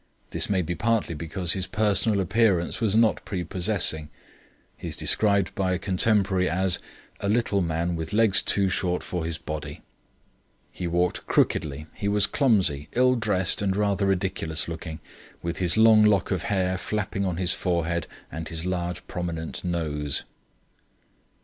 This may be partly because his personal appearance was not prepossessing. He is described by a contemporary as "a little man with legs too short for his body. He walked crookedly; he was clumsy, ill dressed, and rather ridiculous looking, with his long lock of hair flapping on his forehead, and his large prominent nose."